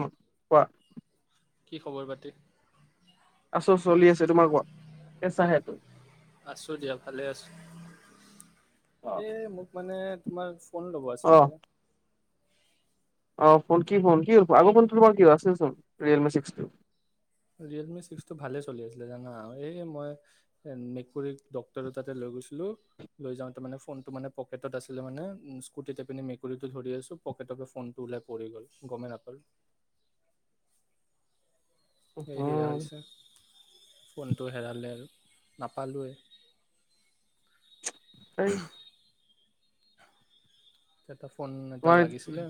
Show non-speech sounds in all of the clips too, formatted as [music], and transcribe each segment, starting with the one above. উম, কোৱা। কি খবৰ পাতি? আছো চলি আছে তোমাৰ কোৱা কেইচাহে আছোঁ দিয়া, ভালে আছোঁ। অ এ মোক মানে তোমাৰ কোন লগৰ আছিলে বে? অ ফোন কি হ'ল? কি আগৰ ফোনটো তোমাৰ কি হ'ল আছেচোন। ৰিয়েলমিছিক্সটো। ৰিয়েলমি ছিক্স টো ভালে চলি আছিলে জানা। এই মই মেকুৰীক ডক্টৰৰ তাতে লৈ গৈছিলোঁ লৈ যাওঁতে মানে ফোনটো মানে পকেটত আছিলে মানে স্কুটিত এপিনে মেকুৰীটো ধৰি আছো পকেটৰ পৰা ফোনটো ওলাই পৰি গ'ল গমেই নাপালোঁ। সে সেয়া উম হৈছে। ফোনটো হেৰালে আৰু। নাপালোঁৱে। এই এটা ফোন এটা তোমাৰ লাগিছিলে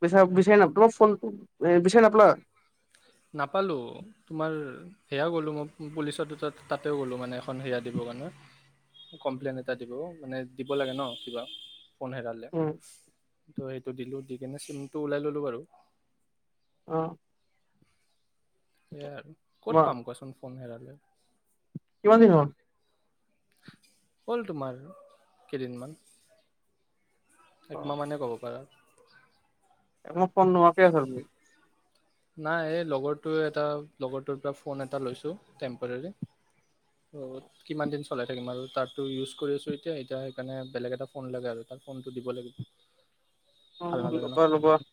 পিছে বিচাৰি নাপালা ফোনত বিচাৰি নাপলা। নাপালোঁ। তোমাৰ সেয়া গ'লোঁ মই পুলিচত দুটা তাতেও গ'লোঁ মানে এখন সেয়া দিব কাৰণে কমপ্লেইন এটা দিব মানে দিব লাগে ন কিবা। ফোন হেৰালে উম টো এইটো দিলোঁ দি চিমটো ওলাই ললো বাৰু আহ হয়ে আৰু ক'ত তোমাৰ পাম কোৱাচোন। ফোন হেৰালে। কিমান দিন হ'ল? হ'ল তোমাৰ, কেইদিনমান। অ একমাহ মানে ক'ব পাৰা [unintelligible] এমাহ ফোন নোহোৱাকে আছা নাই এই লগৰটোৱে এটা লগৰটোৰ পৰা ফোন এটা লৈছোঁ টেম্পৰেৰী ত' কিমান দিন চলাই থাকিম আৰু তাৰতো ইউজ কৰি আছোঁ এতিয়া এতিয়া সেইকাৰণে বেলেগ এটা ফোন লাগে আৰু তাৰ ফোনটো দিব লাগিব ভাল নালাগে ন লগৰ লগৰ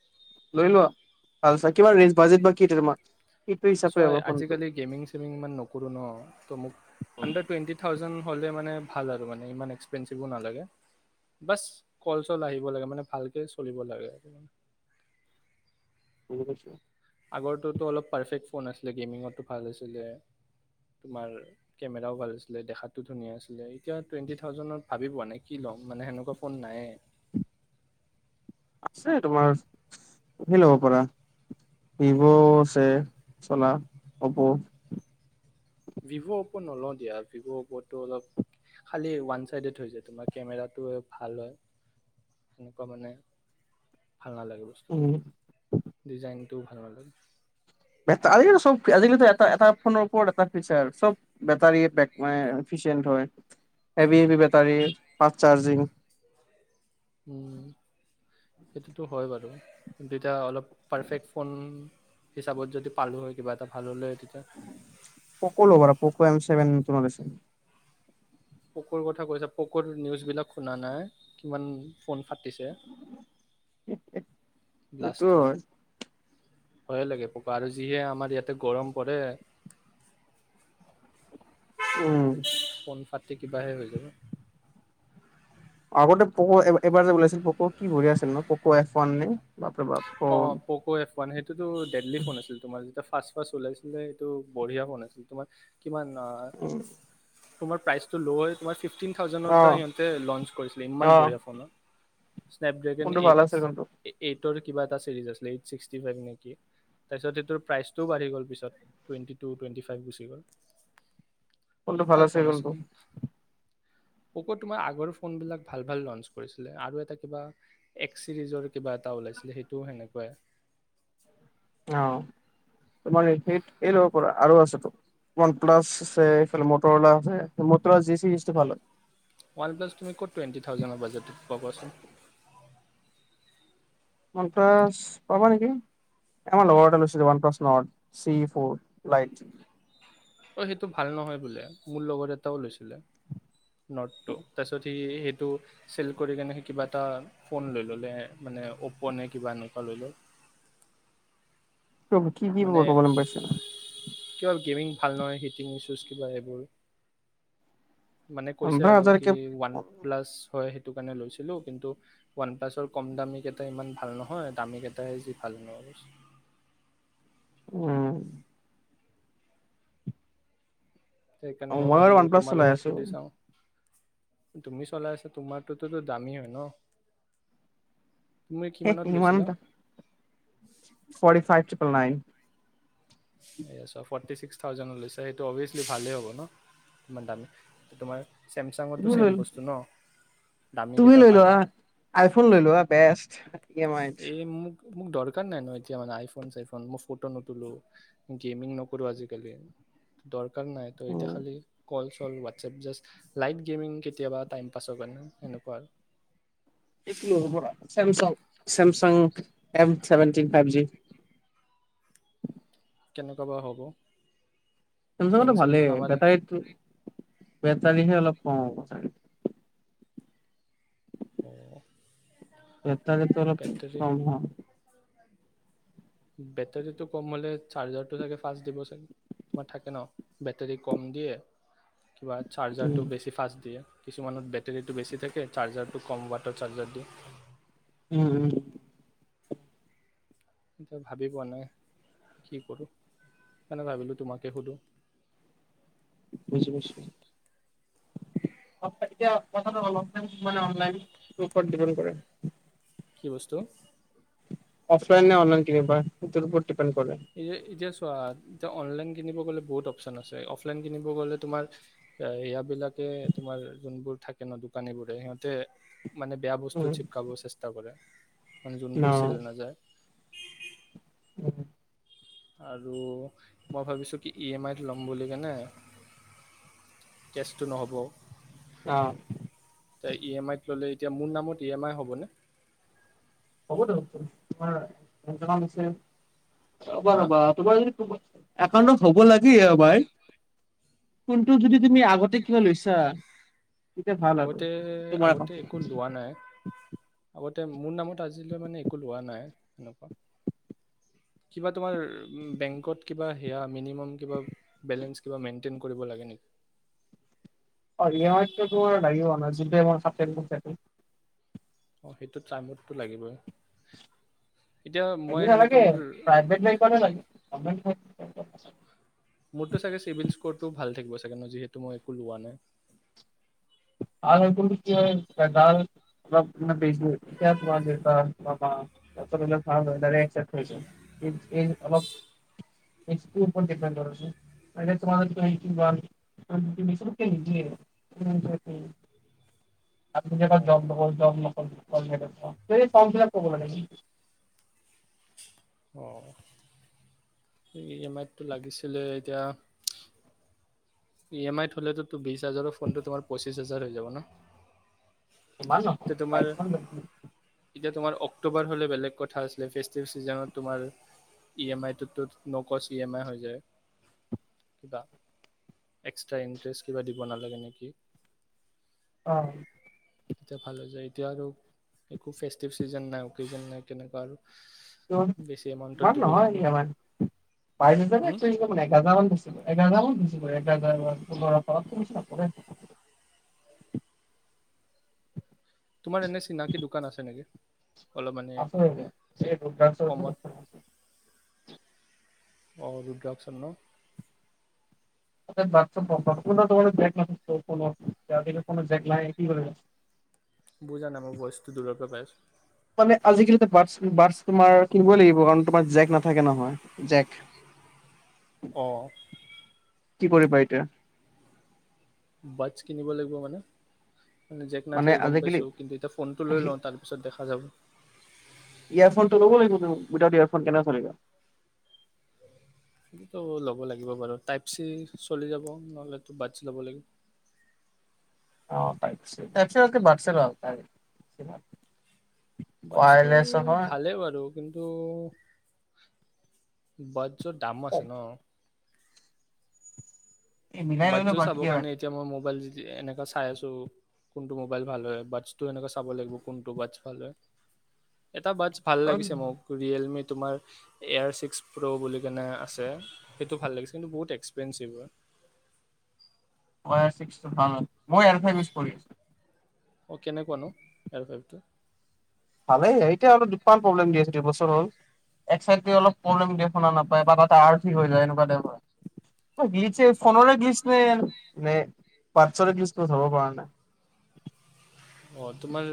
লৈ লোৱা আচ্ছা কিমান ৰেঞ্জ? বাজেট বা কি এতিয়া তোমাৰ? সেইটো ছো হিচাপে হ'ব আজি ফোনটো কালি গেমিং চেমিং ইমান নকৰো ন তো মোক আণ্ডাৰ টুৱেন্টি থাওজেণ্ড হ'লে মানে ভাল আৰু মানে ইমান এক্সপেনঞ্চিভো নালাগে বচ কল চল আহিব লাগে মানে ভালকে চলিব লাগে। কেনে পাইছা? আগৰটো টো অলপ পাৰফেক্ট ফোন আছিলে গেমিঙতো ভাল আছিলে তোমাৰ কেমেৰাও ভাল আছিলে দেখাতো ধুনীয়া আছিলে এতিয়া টুৱেণ্টি থাউজেণ্ডত ভাবি পোৱা নাই কি ল'ম মানে সেনেকুৱা ফোন নায়েই চে তোমাৰ সেই ল'ব পাৰা ভিভ' আছে চলা, অপ'। ভিভ' অপ' নলও দিয়া ভিভ' অপ'টো অলপ খালি ওৱান চাইডেড হৈ যায় তোমাৰ কেমেৰাটো ভাল হয় সেনেকুৱা মানে ভাল নালাগে বস্তুটো উম ডিজাইন তো ভাল লাগে। আজিকালিতো চব আজিকালিতো এটা এটা ফৌন ওপৰত এটা ফিচাৰ চব বেটাৰিয়ে পেকমাই ফিচেনত হয় heavy heavy battery fast charging উম সেইটোতো হয় বাৰু কিন্তু এতিয়া অলপ পাৰফেক্ট ফোন হিচাপত যদি পালো হয় কিবা এটা ভাল হলে তেতিয়া পক লো বাৰ পোক এম চেভন তোমৰ পকৰ কথা কৈছে পকৰ নিউজবিলাক শুনা নাই কিমান ফোন ফাটিছে এইটো হয় ভয়ে লাগে পকা আৰু যিহে আমাৰ ইয়াতে গৰম পৰে! উম ফোন ফাটি কিবাহে হৈ যায় আগতে পক' এবাৰ যে ওলাইছিল পক' কি বঢ়িয়া আছিল ন পক এফ ওৱান নে বাপৰে বাপ অ ফোন পক' এফ ওৱান সেইটোতো ডেলি ফোন আছিল তোমাৰ যেতিয়া ফাছ - ফাছ ওলাইছিলে এইটো বঢ়িয়া ফোন আছিল তোমাৰ কিমান ন উম, তোমাৰ প্ৰাইচটো লৈ' হৈ তোমাৰ ফিফটিন থাউজেৰ অ পৰা সিহঁতে লঞ্চ কৰিছিলে ইমান অ বঢ়িয়া ফোনত৷ স্নেপ ড্ৰোগন ফোনটো ভাল এইটছ আছে কিন্তু এইট এইটৰ কিবা এটা ছিৰিজ আছিলে এইট ছিক্সটি ফাইভ নেকি তাৰপিছত সেইটোৰ প্ৰাইচটোও বাঢ়ি গ'ল পিছত টুৱেণ্টি টু টুৱেণ্টি ফাইভ গুচি গ'ল৷ কোনটো ভাল আছে কোনটো পকঅ তোমাৰ আগৰ ফোন বিলাক ভাল ভাল লঞ্চ কৰিছিলে আৰু এটা কিবা এক্স চিৰিজৰ কিবা এটা ওলাইছিলে সেইটোও সেনেকুৱাই৷ অ তোমাৰ সেই এই পৰা আৰু আছে ওৱান প্লাছ আছে এইফালে মটৰলা আছে মটৰলা যি চিটো ভাল হয় ওৱান প্লাছ তুমি ক'ত টুৱেণ্টি থাউজেণ্ডৰ বাজেটত পোৱা কোৱাচোন ৱান প্লাছ পাবা নেকি আমাৰ লগৰ এ লৈছিলে one plus Nord C for light অ সেইটো ভাল নহয় বোলে মোৰ লগৰ এটাও লৈছিলে, নটটো তাৰপাছত সি সেইটো চেল কৰি কেনি সি কিবা এটা ফোন লৈ ললে মানে অ'প' নে কিবা এনেকুৱা লৈ ল'লে৷ প্ৰবু কি কি বৰ্তমান পাইছে কিবল গেমিং ভাল নহয় হিটিং ইছ্যুজ কিবা এইবোৰ মানে কৈছে পোন্ধৰ আৰু কি হাজাৰকে ওৱান প্লাছ হয় সে সেইটো কাৰণে লৈছিলোঁ কিন্তু ওৱান প্লাছৰ কম দামী কেইটা ইমান ভাল নহয় দামী কেইটাই যি ভাল ন উম সেইকাৰণে মই বাৰু ভাবিলো ওৱান প্লাছ চলাই তোমালোকক আছো সুধি চাওঁ তুমি চলাই আছা তোমাৰটোততো দামী হয় ন তুমি কিমানত এটি ওৱান লৈছিলা ট ফটি ফাইভ প নাইন এয়া চোৱা, ফৰ্টি ছিক্স থাউজেণ্ড লৈছে সেইটো অভিয়াচলি ভালেই হ'ব ন ইমান দামী তোমাৰ ত চেমচাঙতো চেম লৈ বস্তু ন দামী তুমি কেইটা লৈ ভালে লোৱা আইফোন লৈ লোৱা বেষ্ট ইম আই এই মোক মোক দৰকাৰ নাই ন এতিয়া মানে আইফোন চাইফোন মই ফটো নুতলো৷ গেমিং নকৰো আজিকালি দৰ খালি নাই তই এতিয়া উম, খালি কত অকল হোৱাটছএপ জাষ্ট লাইট গেমিং কেতিয়াবা টাইম পাছৰ কাৰনে সেনেকুৱা আৰু Samsung M seventeen five G কেনেকুৱা বা হ'ব? হেং চেমচাংটো চেংটো ভালেই নামাৰে বেটাৰীটো বে দালিহে অলপ কম হব ছাগে! অহহ এটা যেত অলপ কম [unintelligible] বেটেৰীটো কম হ'লে চাৰ্জাৰটো চাগে ফাষ্ট দিব চাগে কিছুমান থাকে ন বেটেৰী কম দিয়ে কিবা উম চাৰ্জাৰটো বেছি ফাষ্ট দিয়ে কিছুমানত বেটেৰীটো বেছি থাকে চাৰ্জাৰটো কম বৱাটৰ চাৰ্জাৰ দিয়ে৷ উম উম এতিয়া ভাবি পোৱা নাই কি কৰোঁ সেকেনে ভাবিলোঁ তোমাকে সোধো৷ বুজি পাইছো এক তাৰিখে কথাটো অলপ মান অনলাইন গ্ৰুপত ডিপেণ্ট কৰে কি বস্তু? অফলাইন নে অনলাইন কিমান পায় এতিয়ালৈকে তো [unintelligible] এ যে এতিয়া চোৱা এতিয়া অনলাইন কিনিব গলে বহুত অপচন আছে অফলাইন কিনিব গলে তোমাৰ ইহঁত বিলাকে তোমাৰ যোনবোৰ থাকে ন দোকানীবোৰে সিহঁতে মানে বেয়া বস্তু উম চিপকাব চেষ্টা কৰে৷ ন যোনবোৰ চেল নাযায় আৰু মই ভাবিছোঁ কি ই এম আইত ল'ম বুলি কেনে কেছটো নহ'ব অ এ ই এম আই ত ললে এতিয়া মোৰ নামত ই এম আই হ'বনে হ'ব দে তোমাৰ দকমেন্ আছে চাই লোৱা হা এবাৰ তোমাৰ যদি কিবা একাউণ্টত হ'ব লাগে আমাৰ কিন্তু যদি তুমি আগতে কিবা লৈছা তেতিয়া ভাল আৰু আগতে তোমাৰ এখন আগতে একো লোৱা নাই আগতে মোৰ নামত আজিলৈ মানে একো লোৱা নাই এনেকুৱা কিবা তোমাৰ বেংকত কিবা সেয়া মিনিমাম কিবা বেলেঞ্চ কিবা মেইনটেইন কৰিব লাগে নেকি অ ই এম আইতো তোমাৰ লাগিব ন যি মই থ অঁ সেইটো চাইনবুডটো লাগিবই এতিয়া মই সেনেকুৱা নালাগে মোৰ প্ৰভেট বেংকত‌ হে লাগে [unintelligible] মোৰতো চাগে চিভিল স্ক'ৰটো ভাল থাকিব চাগে ন যিহেতু মই একো লোৱা নাই? আৰু মানে কি হয় [unintelligible] উম আপনি যেবাৰ অঁ জন্্ জন্ [unintelligible] সেই ফৰ্ম ফিলাপ কৰিব লাগে নেকি [unintelligible] অ ই এম আইতটো লাগিছিলে এতিয়া ই এম আইত থলেো বিশ হাজাৰৰ ফোনটো তোমাৰ পঁচিছ হাজাৰ হৈ যাব ন মাল তে নপাই তোমাৰ এতিয়া তোমাৰ অক্টোবৰ হ'লে বেলেগ কথা আছিলে ফেষ্টিভ ছিজনত তোমাৰ ই এম আইটোতো নকচ ই এম আই হৈ যায় কিবা এক্সট্ৰাৰা ইণ্টাৰেষ্ট কিবা দিব নালাগে নেকি অ তেতিয়া ভাল হৈ যায় এতিয়া আৰু একো ফেষ্টিভ চিজন নাইকেজন নাই কেনেকুৱা আৰু ত বেছি এমাউণ্টত ইমান দিব নহয় লাগিব ই এ মাই বাইছ হম হাজাৰ মান দিছিলো এঘাৰ হাজাৰ মান দিছিল কৰি তপ তোমাৰ এনে চিনাকি দোকান আছে নেকি? অলপ মানে আছে কমত [unintelligible] আৰু দু্ৰক চন [unintelligible] তাত কোনো জেগ লাই কি কৰিবা বুজা নাই মই ভইচটো দূৰৰ পৰা পাইছো এনে আজিকালি বাটছ বাটছ তোমাৰ কিনিবই লাগিব কাৰণ তোমাৰ জেক নাথাকে নহয় জেক অঁ কি কৰিবা এতিয়া বাটচছ কিনিব লাগিব মানে জেক মানে নাথাকে গম আজিকালি পাইো কিন্তু এতিয়া ফোন টো লৈ লওঁ তাৰ পিছত দেখা যাব ইয়াৰফোনটো ল'ব লাগিব উইদাউট ইয়াৰফোন কেনেকে চলিবা? সেইটো টো ল'ব লাগিব বাৰু টাইপ চি চলি যাব নহ'লে বাদছ ল'ব লাগিব অ তাইপছি তপছি লোৱাতকৈ বাাট্ছটো ভাল বাছটো ভালে বাৰু কিন্তু চত দামো আছে ন এই মিলাই ললে বাটচছজোৰ চাব বাকী কাৰণে এতিয়া মই মোবাইল এনেকুৱা চাই আছোঁ কোনটো মোবাইল ভাল হয় বাট্ছটো এনেকুৱা চাব লাগিব কোনটো বাট্ছ ভাল হয় এটা বাটচছ ভাল আৰু লাগিছে মোক ৰিয়েলমি তোমাৰ এয়াৰ ছিক্স প্ৰ' বুলি কেনে আছে সেইটো ভাল লাগিছে কিন্তু বহুত এক্সপেঞ্চিভ হয় ছিক্সটো ভাল মই এইয়াৰ ফাইভ টো ইউজ কৰি আছো অঁ কেনেকুৱনো এয়াৰফাইভটো ভালে এতিয়া অলপ দুটান প্ৰব্লেম দি আছে দুবছৰ হ'ল এক চাইড অলপ প্ৰবলেম দে শুনা নাপ এইয়াৰ ত্যায়াৰ ঠিক হৈ যায় এনেকোৱা দাইভৰ, জিছে ফোনৰৰে গিচ পৰা নাই আৰু অ তোমাৰ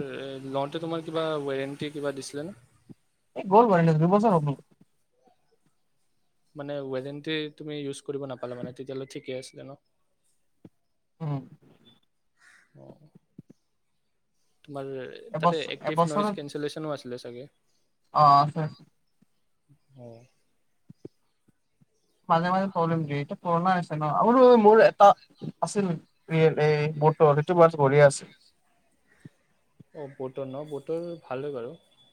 লওঁতে তোমাৰ কিবা ৱাৰেণ্টি কিবা দিছিলে ন এই গ'ল কৰি ন দুবছৰ হব মানে ৱাৰেণ্টি তুমি ইউজ কৰিব নাপালা মানে তেতিয়াহ'লে ঠিকে আছিলে ন উম অ তোমাৰ তাতে এবছৰ এক্টিভ নইজ এবছৰত কেনচেলেচনো আছে। লে চাগে অ আছে হয়। মাজে মাজে প্ৰব্লেম দিয়ে পৰ্ণ। আৰু মোৰ এটা আছিল ৰিয়ে- এই বোতৰ সেইটো ৱাছট বঢ়িয়া আছিল। অঁ বতৰ ন। বতৰ ভাল হয় বাৰু।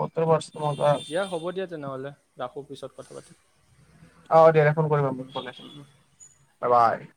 বতৰ ৱাটছটো মজা আছে। ৰাখো পিছত কথা পাতি। অ দিয়া দে-দে ফোন কৰিম দিয়া বাই- বাই